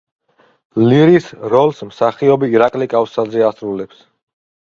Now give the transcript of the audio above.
ლირის როლს მსახიობი ირაკლი კავსაძე ასრულებს.